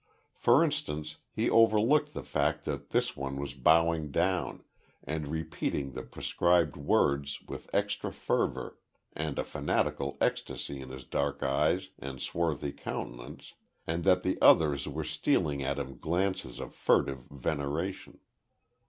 For instance he overlooked the fact that this one was bowing down, and repeating the prescribed words with extra fervour, and a fanatical ecstasy in his dark eyes and swarthy countenance, and that the others were stealing at him glances of furtive veneration.